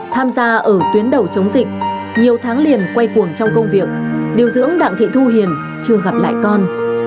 tham gia ở tuyến đầu chống dịch nhiều tháng liền quay cuồng trong công việc điều dưỡng đặng thị thu hiền chưa gặp lại con